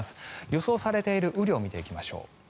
予想されている雨量を見ていきましょう。